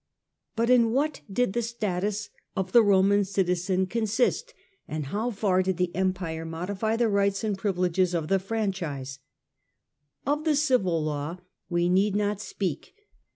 But in what did the status of the citizen consist, and how far did the Empire modify the rights and privileges of the franchise ? Of the civil law we need not speak.